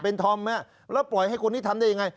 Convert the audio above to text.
เป็นธอมแล้วปล่อยให้คนนี้ทำได้ยังไง